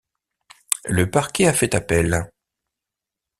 Le parquet a fait appel.